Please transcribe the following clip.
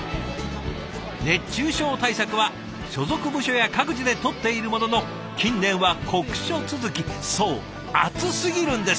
熱中症対策は所属部署や各自でとっているものの近年は酷暑続きそう暑すぎるんです。